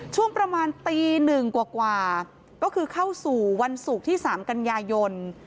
ช่วงประมาณตีหนึ่งกว่าก็คือเข้าสู่วันศุกร์ที่๓กันยายน